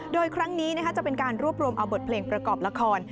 โดยครั้งนี้จะเป็นการรวบรวมเอาบทเพลงประกอบละคร